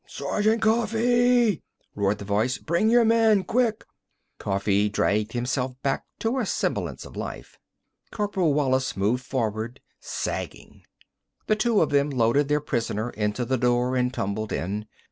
"Sergeant Coffee!" roared the voice. "Bring your men! Quick!" Coffee dragged himself back to a semblance of life. Corporal Wallis moved forward, sagging. The two of them loaded their prisoner into the door and tumbled in.